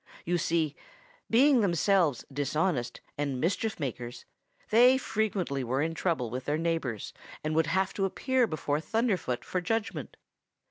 You see, being themselves dishonest and mischief makers, they frequently were in trouble with their neighbors and would have to appear before Thunderfoot for judgment.